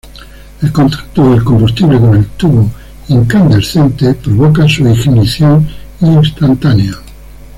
El contacto del combustible con el tubo incandescente provoca su ignición instantánea.